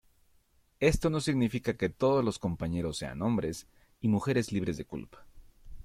Esto no significa que todos los compañeros sean hombres y mujeres libres de culpa.